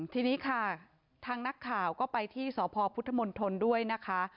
ทีนี้ค่ะทางนักข่าวก็ไปที่สพพุทธมนตรด้วยนะคะ